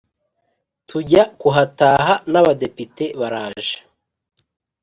Tujya kuhataha n’abadepite baraje